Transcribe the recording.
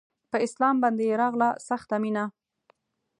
په اسلام باندې يې راغله سخته مينه